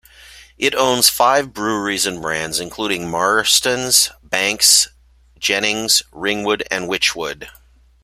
It owns five breweries and brands including Marston's, Banks's, Jennings, Ringwood and Wychwood.